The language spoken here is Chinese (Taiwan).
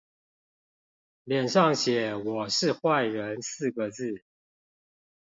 臉上寫我是壞人四個字